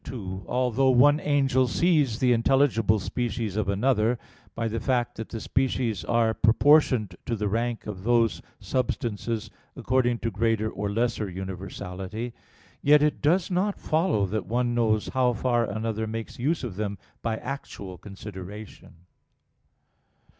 2: Although one angel sees the intelligible species of another, by the fact that the species are proportioned to the rank of these substances according to greater or lesser universality, yet it does not follow that one knows how far another makes use of them by actual consideration.